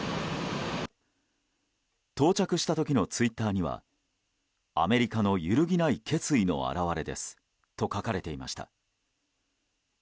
到着した時のツイッターにはアメリカの揺るぎない決意の表れですと書かれていました。